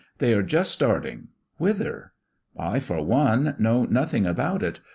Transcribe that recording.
They are just starting whither? I, for one, know nothing about it.